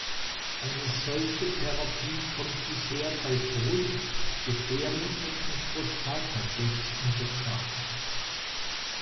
Eine solche Therapie kommt bisher bei Brust-, Gebärmutter- und Prostatakrebs in Betracht.